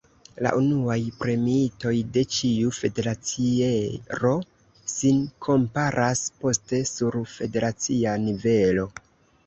La unuaj premiitoj de ĉiu federaciero sin komparas poste sur federacia nivelo.